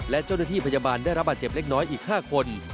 และเจ้าหน้าที่พยาบาลได้รับบาดเจ็บเล็กน้อยอีก๕คน